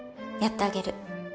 やってあげる。